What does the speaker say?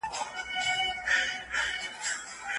په غره کې ډېر ګټور بوټي شتون لري.